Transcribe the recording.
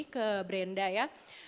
ke brenda ya